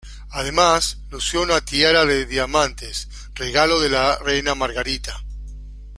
Además, lució una tiara de diamantes, regalo de la reina Margarita.